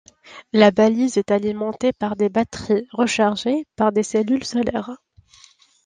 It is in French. La balise est alimentée par des batteries rechargées par des cellules solaires.